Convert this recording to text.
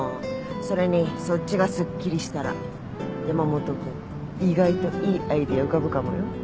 それにそっちがすっきりしたら山本君意外といいアイデア浮かぶかもよ